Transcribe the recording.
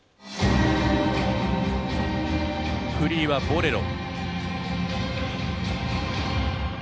フリーは「ボレロ」。